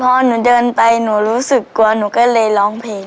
พอหนูเดินไปหนูรู้สึกกลัวหนูก็เลยร้องเพลง